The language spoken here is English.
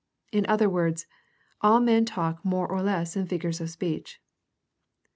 In other words, all men talk more or less in figures of speech.